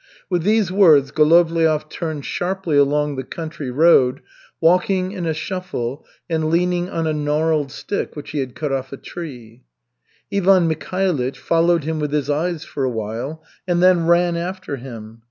With these words Golovliov turned sharply along the country road, walking in a shuffle and leaning on a gnarled stick which he had cut off a tree. Ivan Mikhailych followed him with his eyes for a while, and then ran after him.